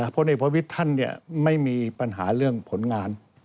พลเอกประวิทย์ท่านไม่มีปัญหาเรื่องผลงาน